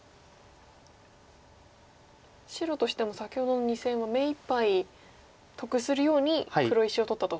白としても先ほどの２線は目いっぱい得するように黒石を取ったと。